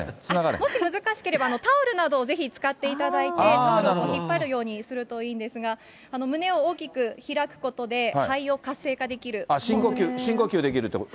もし難しければ、タオルなどを使っていただいて、タオルを引っ張るようにするといいんですが、胸を大きく開くことで、肺を活性深呼吸できるということ？